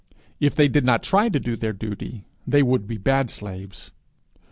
If they did not try to do their duty, they would be bad slaves.